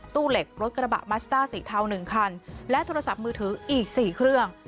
ตู้เหล็กรถกระบะสี่เท่าหนึ่งคันและโทรศัพท์มือถืออีกสี่เครื่อง